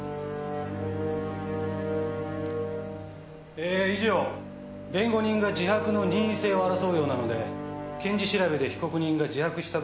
え以上弁護人が自白の任意性を争うようなので検事調べで被告人が自白した部分をお見せしました。